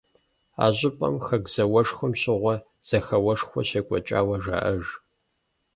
А щӏыпӏэм Хэку зауэшхуэм щыгъуэ зэхэуэшхуэ щекӏуэкӏауэ жаӏэж.